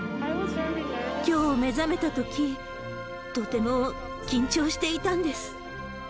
きょう目覚めたとき、とても緊張していたんです。